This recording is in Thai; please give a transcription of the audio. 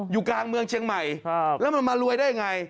อยู่กลางเมืองเชียงใหม่แล้วมันมารวยได้ยังไง